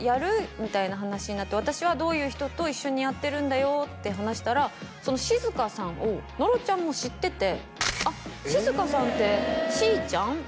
みたいな話になって私はどういう人と一緒にやってるんだよって話したらその志津香さんを野呂ちゃんも知ってて「あっ志津香さんってしーちゃん？」